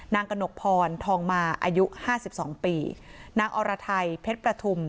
กระหนกพรทองมาอายุห้าสิบสองปีนางอรไทยเพชรประทุม